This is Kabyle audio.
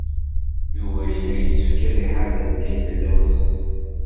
Yuba yella yessefk ad iḥader Saɛida Tawasift.